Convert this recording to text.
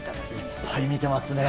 いっぱい見てますね！